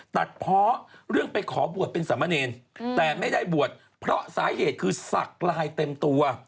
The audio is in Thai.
ตัดเพราะเรื่องไปขอบวชเป็นสามเณรแต่ไม่ได้บวชเพราะสาเหตุคือศักดิ์ลายเต็มตัว